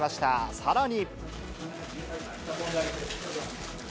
さらに。